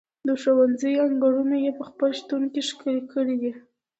د ښوونځي انګړونه یې په خپل شتون ښکلي کړي دي.